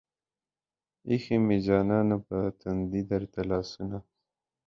ايښې مې جانانه پۀ تندي درته لاسونه